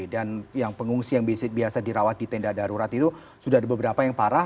dan yang pengungsi yang biasa dirawat di tenda darurat itu sudah ada beberapa yang parah